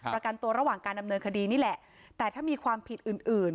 ประกันตัวระหว่างการดำเนินคดีนี่แหละแต่ถ้ามีความผิดอื่นอื่น